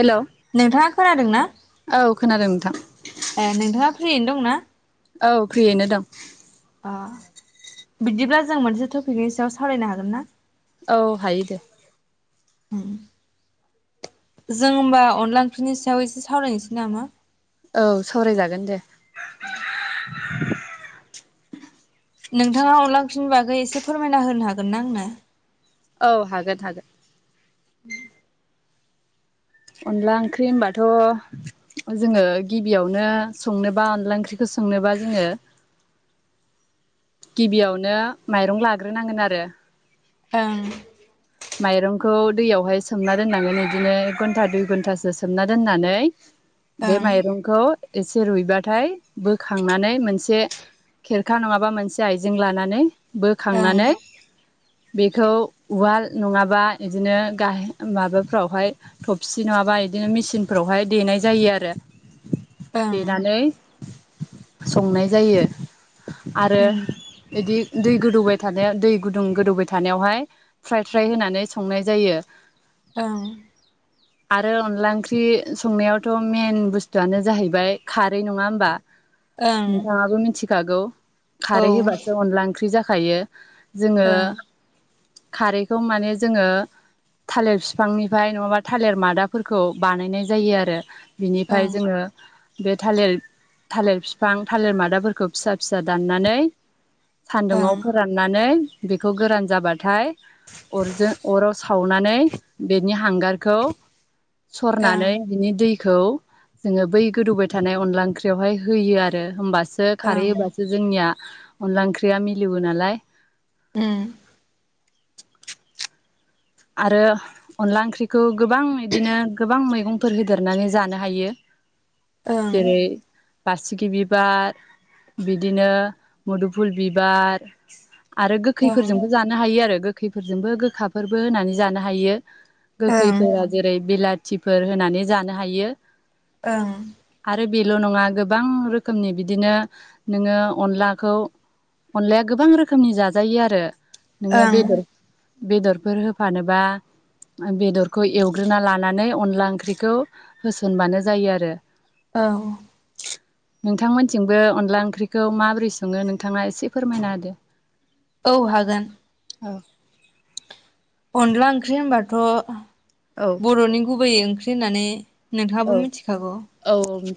Hello औ नोंथांङा खोनादों ना थां दोंं ना औ फ्रियैनो दं अ बिदिब्ला जों मोनसे टपिकनि सायाव सावरायनो हागोन ना औ हायोदे जों होमबा अनला ओंख्रिनि सायाव एसे सावरायनोसै नामा औ सावरायजागोन दे [inaudible] नोंथांङा अनला ओंख्रिनि बागै एसे फोरमायना होनो हागोन ना आंनो? औ हागोन हागोन उमहो अनला ओंख्रि होनबाथ जोङो गिबियावनो संनोबा अनला ओंख्रिखौ संनोबा जोङो गिबियावनो माइरं लाग्रोनांगोन आरो ओं माइरंखौ दैयावहाय सोमना दोननानै बिदिनो एक घन्टा दुइ घन्टासो सोमना दोननानै। बे ओं माइरंखौ एसे रुइबाथाय बोखांनानै मोनसे खेरखा नङाबा मोनसे आइजें लानानै बोखांनानै बेखौ उवाल नङाबा बिदिनो गाह माबाफ्रावहाय थबसि नङाबा बिदिनो मेचिनफ्रावहाय देनाय जायो आरो ओं देनानै संनाय जायो। आरो बिदि दै गोदौबाय थानायाव दै गुदुं गोदौबाय थानायावहाय फ्राय फ्राय होनानै संनाय जायो। ओं आरो अनला ओंख्रि संनायावथ' मेन बुस्थुआनो जाहैबाय खारै नङा होमबा ओं उम ओं नोंथाङाबो मिथिखागौ औ खारै ओं होबासो अनला ओंख्रि जाखो खायो जोङो खारैखौ माने जोङो थालिर बिफांनिफ्राय नङाबा थालिर मादाफोरखौ बानायनाय जायो आरो। बिनिफ्राय जोङो बे थालिर थालिर बिफां थालिर मादाफोरखौ फिसा फिसा दाननानै ओं ओं सान्दुङाव फोराननानै बेखौ गोरान जाबाथाय अरजों अराव सावनानै बेनि हांगारखौ सरनानै बिनि दै खौ जोङो बै गोदौबाय थानाय अनला ओंख्रियावहाय होयो आरो होमबा सो खारै होबासो जोंनिया अनला ओंख्रिया मिलिवो नालाय ओ आरो अनला ओंख्रिखौ गोबां इदिनो गोबां मैगंफोर होदेरनानै जानो हायो। ओं जेरै बासिगि बिबार बिदिनो मुदुफुल बिबार आरो ओं गोखैफोरजोंबो जानो हायो आरो गो खैफोरजोंबो गोखाफोर बो होनानै जानो हायो ओं गोखैफोरा जेरै बिलाद थिफोर होनानै जानो हायो आरो बेल नङा गोब बां रोखोमनि बिदिनो नोङो अनलाखौ अनलाया गोबां रोखोमनि जाजायो आरो नोङो ओं बेदर बेदर बेफोर होफानोबा बेदरखौ एवग्रोना लानानै अनला ओंख्रिखौ होसनबानो जायो आरो ओं नोंथांमोनथिंबो अनला ओंख्रिखौ माबोरै सङो नोंथाङा एसे फोरमायना होदो औ हागोन औ अनला ओंख्रि होनबा थ औ बरनि गुबैयै ओं ख्रि होननानै नोंथाङाबो मिथिखागौ।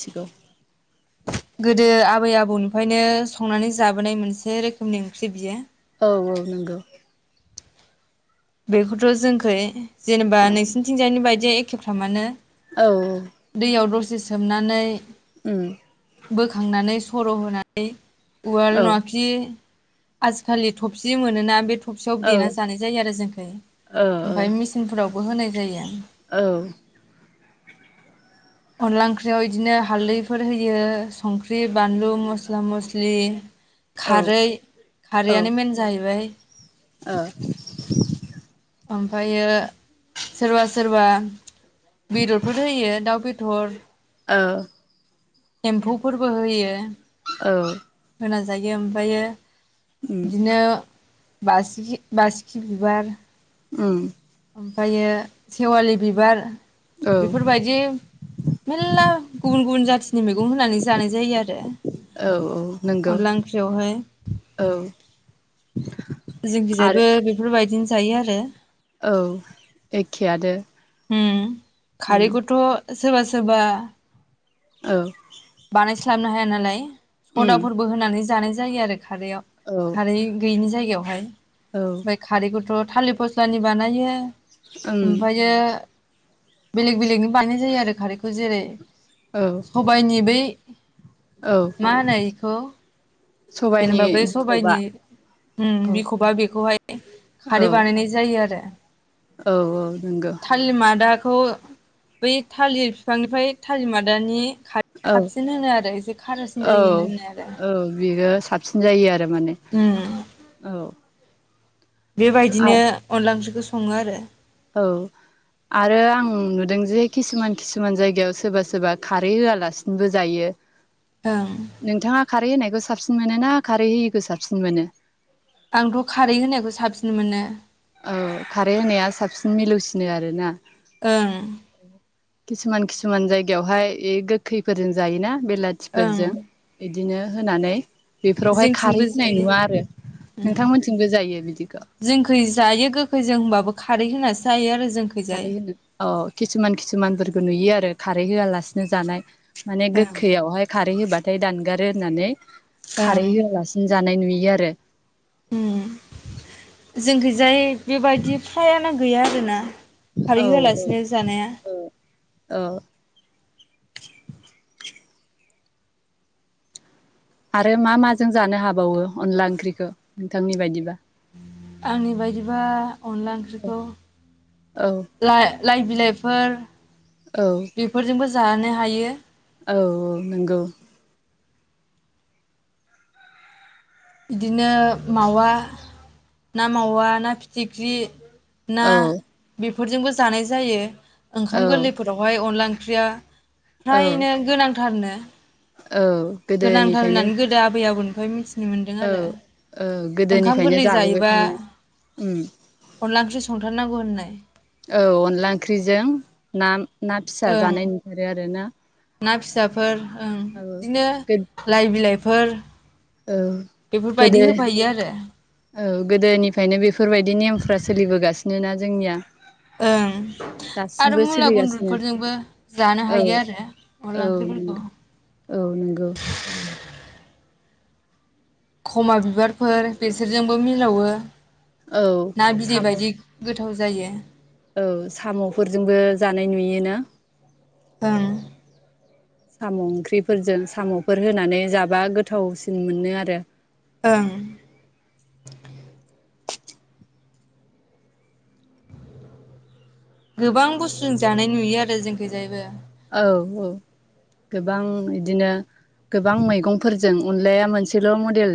थिगौ गोदो आबै आबौनिफायनो संनानै जाबोनाय मोनसे रोखोमनि ओंख्रि बियो। औ औ नोंगौ बेखौथ जोंखै जेनेबा नोंसिनिथिंजायनि बायदि एखेफ्रामानो। औ‌ औ से सोमनानै ओम बोखांनानै सर होनानै उवाल औ नङाखि आजिखालि थफ्सि मोनोना बे थ सियाव‌ औ देना ओ जानाय जायो आरो जों ओ औ ओमफाय मिसिन फोर फोरावबो होनाय जायो औ अनला ओंख्रियाव इदिनो हाल्दैफोर होयो संख्रि बानलु मस्ला मस्लि खारै खारैआनो मेन जाहैबाय ओ ओमफायो सोरबा सोरबा बेदरफोर होयो दाउ बे दर ओ एम्फौफोरबो होयो औ होना जायो ओमफायो उम बिदिनो बासिगि बासिखि बिबार। उम। ओमफायो सेवालि बिबार। औ बेफोरबायदि मेलला गुबुन गुबुन जाथिनि मैगं होनानै जानाय जायो आरो औ औ नंगौ अनला ओंख्रियावहाय। औ आरो जोंनिजायबो बेफोरबायदिनो जायो आरो‌। औ एखे आनो। उम। खारिखौथ सोरबा सोरबा औ बानायस्लाबनो हाया नालाय उम सदाफोरबो होनानै जानाय जायो आरो। खारैआव औ खारै गैयिनि जायगायाव। औ [unintelligible] बै खारैखौथ थालिर फस्लानि बानायो उम ओमफ्रायो बेलेग बेलेगनि बानायनाय जायो आरो खारैखौ जेरै औ सबायनि बै औ मा होनो इखौ सबाइनि जेनेबा बै बिखबा सबाइनि उम औ बिखबा बेखौहाय खारै औ बानायनाय जायो आरो। औ औ। नंगौ थालि मादा खौ बै थालिर फिफांनिफ्राय थालिर मादानि खारै औ साबसिन होनो आरो एसे खारासिन औ जायो होनो होन्नायालाय। औ बेयो साबसिन जायो आरो माने औ। बेबायदिनो अनला ओंख्रिखौ सं सङो आरो। औ आरो आं नुदों जे किसुमान किसुमान जायगायाव सोरबा सोरबा खारै होआलासिनोबो जायो। ओं। नोंथाङा खारै होनायखौ साबसिन मोनो ना खारै होयिखौ साबसिन मोनो? आंथ खारै होनायखौ साबसिन मोनो। औ खारै होनाया साबसिन मिलौसिनो आरोना। ओं। खिसुमान खिसुमान जायगायावहाय ऐ गोख्खैफोरजों जायोना ओं बेलाथिफोरजों बिदिनो होनानै बेफोरावहाय खारै जोंथिंबो होनाय जायो नुवा आरो। उम नोंथांमोन्थिंबो जायो बिदिखौ? जोंखै जायो गोखैजों होनबाबो खारै होनासो जायो आरो जोंखैजाय होनो औ खिसुमान खिसुमानफोरखौ नुयो आरो खारै होआलासिनो जानाय माने ओं गोखैआवहाय खारै होबाथाय थाय दानगारो होन्नानै ओं खारै होआलासिनो जानाय नुयो। आरो उम जोंखैजाय बेबायदि फ्रायानो गैया आरोना औ खारै होआलासिनो जानाया। औ। आरो मा माजों जानो हाबावो अनला ओंख्रिखौ नोंथांनि बायदिबा? आंनि बायदिबा अनला ओंख्रिखौ औ ला लाइ बिलाइफोर औ बेफोरजोंबो जा जानो हायो औ औ नोंगौ। बिदिनो मावा ना, ‌मावा ना फिथिख्रि ना औ बे फोरजोंबो जानाय जायो। ओंखाम औ गोर्लैफोरावहाय अनला [inaudible] औ फ्रायनो गोनां थारनो औ गोनांथार गोदोनिफ्रायनो होन्नानै गोदो आबै आबौ [inaudible] मोन्दों औ आरो औ गोदोनिफ्रायनो गोरलै जायोबा जाबोगासिनो अनला ओंख्रि संथारनांगौ होननाय औ अनला ओंख्रिजों नाम। ना फिसा ओं जानाय नुंथखारो आरो ना। ना फिसाफोर। ओं बिदिनो लाइ बिलाइ। फोर। औ बेफोरबायदि गोदो होफायो आरो। औ, गोदोनिफ्रायनो बेफोर बायदि नेयमफ्रा सोलिबोगासि नोना जोंनिया। ओं, आरो दासिमबो मुला सोलिगासिनो गुन्द्रुफोरजोंबो जानो औ हायो आरो अनला औ ओंख्रिफोरखौ। नंगौ औ नंगौ खमा बिबारफोर, बेसोरजोंबो मिलावो। औ ना बिदै साम' बायदि गो थाव जायो। औ सामफोरजोंबो जानाय नुयोना? ओं। साम ओंख्रिफोरजों सामफोर होनानै जाबा गोथावसिन मोनो आरो। ओं। गोबां बुस्थुजों जानाय नुयो आरो जोंखिजायबो। औ औ गोबां बिदिनो गोबां मैगंफोरजों अनलाया मोनसेल मडेल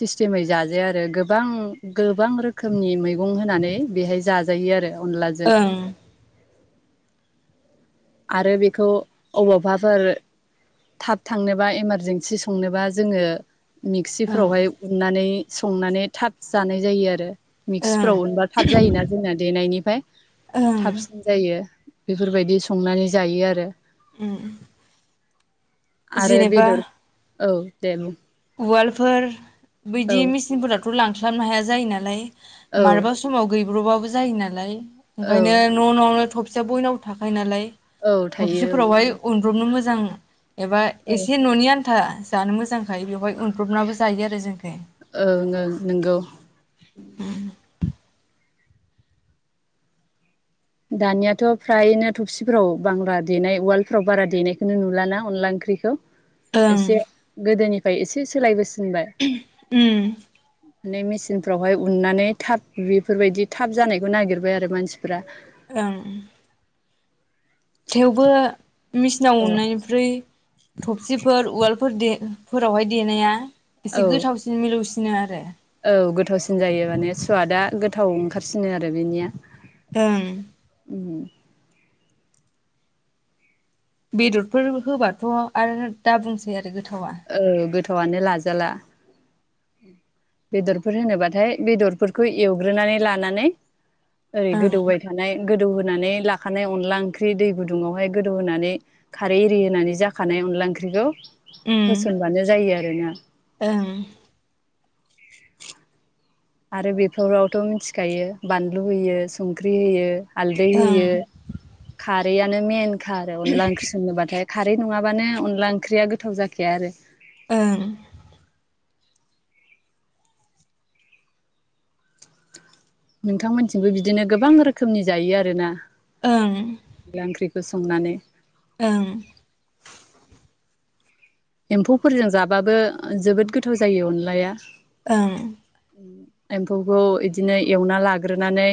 सिस्टेमै जाजाया आरो गोबां गोबां रोखोमनि मैगं होनानै बेहाय जाजायो आरो। अनलाजों। ओं आरो बेखौ अबावबाफोर। थाब थांनोबा इमारजेन्सि संनोबा जोङो। ओं मिक्सिफ्रावहाय उननानै। संनानै थाब जानाय जायो आरो। ओं मिक्सिफ्राव अनबा थाब जायोना जोंना देनायनिफ्राय ओं थाबसिन जायो। बेफोरबायदि संनानै जायो आरो। उम। आरो जेनेबा। बेदर औ दे बुं। उवालफोर। औ बैदि मिसिनिफोर [unintelligible] लांफ्लाबनो हाया जायो नालाय। औ मारबा समाव गै ग्रबाबबो जायो नालाय। औ ओंखायनो न' न'आवनो थ बयनावबो थाखायो नालाय औ थायो थफसिफोरावहाय उनब्रबनो मोजां एबा ओं ओं एसे ननि आन्था जानो मोजां ओंखायो बेवहाय उनब्रबनाबो जायो आरो जोंखि ओं ओं नंगौ। [inaudible] दानियाथ फ्रायनो थबसिफ्राव बांला देनाय उवालफ्राव बारा देनायखौनो नुलाना अनला ओंख्रिखौ ओं एसे गोदोनि फाय एसे सोलायबोस मोनबाय उम माने मेसिन फ्रावहाय उननानै थाब बेफोरबायदि थाब जानायखौ नागिरबाय आरो मानसिफ्रा ओं थेवबो मेसिनाव औ उन्नायनिफ्राय थबसिफोर उवालफोर दे फोरावहाय देनाया एसे गोथावसिन मिलौसिन [unintelligible] आरो औ गोथावसिन जायो माने सुवादा गोथाव ओंखारसिनो आरो बेनिया ओं बेदरफोर होबाथ आरो दा बुंसै आरो गो औ गो थआनो लाजाला बेदरफोर होनोबाथाय बेदरफोरखौ एवग्रोनानै लानानै ओरै ओं गोदौबाय थानाय गोदौ होनानै लाखानाय अनला ओंख्रि दै गुदुङावहाय गोदौ होनानै खारै एरि होनानै जाखानाय अनला ओंख्रिखौ उम होसनबानो जायो आरोना ओं आरो बेफोरावथ मिथिखायो बानलु होयो संख्रि होयो। हालदै ओं होयो खारै नो मेइन खा आरो अनला ओंख्रि संङोबाथाय खारै नङाबानो अनला ओंख्रिया गोथाव जाखाया आरो ओं नोंथांमोनथिंबो बिदिनो गोबां रोखोमनि जायो आरो ना ओं [unintelligible] संनानै ओं एम्फौफोरजों जाबाबो जोबोद गोथाव जायो अनलाया ओं एम्फौखौ इदिनो एवना लाग्रोनानै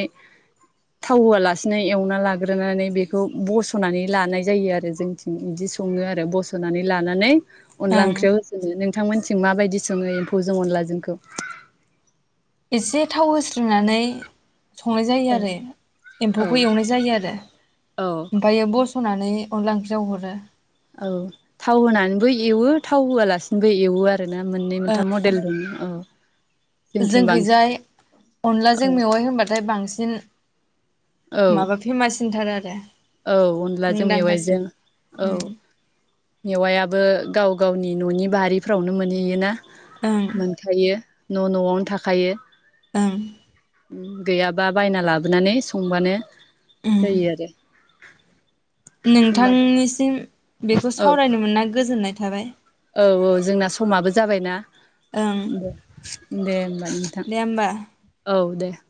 थाव होआलासिनो एवना लाग्रोनानै बेखौ बसनानै लानाय जायो आरो जोंथिं बिदि सङो आरो बसनानै लानानै अनला ओं ओंख्रियाव होसनो नों नोंथांमोनसिं माबायदि सोङो एम्फौ जों अनलाजोंखौ? एसे थाव होस्रोनानै संनाय जायो औ आरो एम्फौखौ एवनाय जायो आरो औ ओमफ्रायो बस सनानै अनला ओंख्रियाव हरो औ थाव होनानैबो एवो थाव होआलासिनोबो एवो आ आरोना मोननै ओ मोनथाम मडेल दं औ जोंथिं बांसिन जोंखैजाय औ अनलाजों मेवाइ होनबाथाय बां सिन औ माबा फेमास सिन्थारो आरो औ अनलाजों मेवाइजों मुंदांखासिन औ उम मेवायाबो गाव गावनि ननि बारिफ्रावनो मोनहैयोना ओं मोनखायो न नआवनो थाखायो ओं गैयाबा बायना लाबोनानै संबानो उम जायो आरो होमबाथ' नोंथांनिसिम बेखौ औ सावरायनो मोनना गोजोननाय थाबाय औ औ जोंना समाबो जाबायना ओं दे दे होमबा नोंथां दे होमबा औ दे [inaudible]